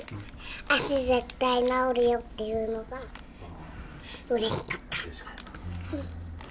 足、絶対治るよっていうのが、うれしかった。